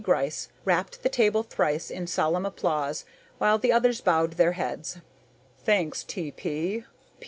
Gryce rapped the table thrice in solemn applause, while the others bowed their heads. "Thanks, T.P.